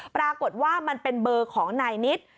ปรากฏว่ามันเป็นเบอร์ของนายนิด